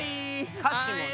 歌詞もね